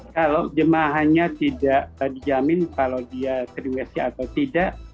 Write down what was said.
kalau jemaahnya tidak dijamin kalau dia kriwesi atau tidak